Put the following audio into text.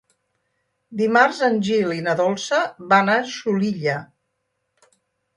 Dimarts en Gil i na Dolça van a Xulilla.